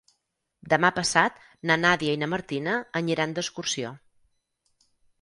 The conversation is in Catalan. Demà passat na Nàdia i na Martina aniran d'excursió.